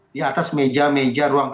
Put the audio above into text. di atas meja meja